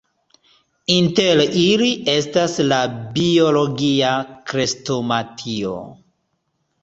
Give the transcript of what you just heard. Inter ili estas la Biologia Krestomatio.